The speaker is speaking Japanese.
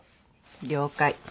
了解。